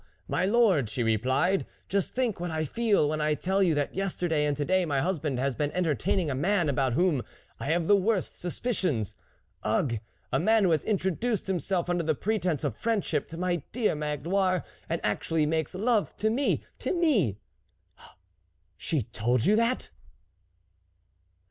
my lord,' she replied, 4 just think what I feel, when I tell you that yester day and to day, my husband has been en tertaining a man about whom I have the worst suspicions. Ugh ! A man who has introduced himself under the pretence of friendship to my dear Mag loire, and actually makes love to me, to me .." 41 She told you that